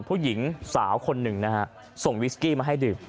ผู้หญิงสาวคนหนึ่งนะฮะส่งวิสกี้มาให้ดื่ม